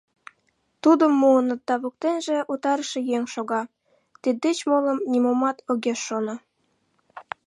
Тудым муыныт да воктенже утарыше еҥ шога, тиддеч молым нимомат огеш шоно.